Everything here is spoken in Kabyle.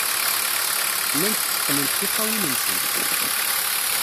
Llant tteqqnent tiṭṭawin-nsent.